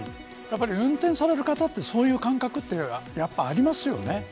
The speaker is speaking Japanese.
運転される方はそういう感覚はありますよね。